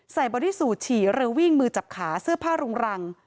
บอดี้สูตรฉี่หรือวิ่งมือจับขาเสื้อผ้ารุงรัง